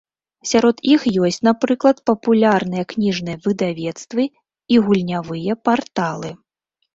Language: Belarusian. Сярод іх ёсць, напрыклад, папулярныя кніжныя выдавецтвы і гульнявыя парталы.